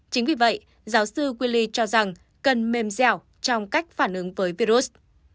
chính vì vậy giáo sư willi cho rằng cần mềm dẻo trong cách phản ứng với virus